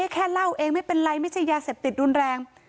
แค่เล่าเองไม่เป็นไรไม่ใช่ยาเสพติดรุนแรง